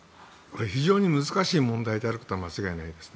非常に難しい問題であることは間違いないです。